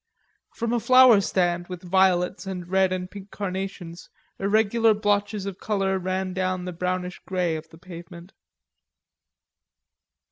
From a flower stand with violets and red and pink carnations irregular blotches of color ran down into the brownish grey of the pavement.